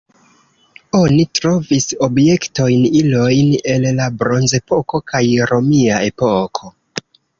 Oni trovis objektojn, ilojn el la bronzepoko kaj romia epoko.